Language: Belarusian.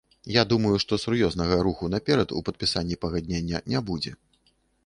Я думаю, што сур'ёзнага руху наперад у падпісанні пагаднення не будзе.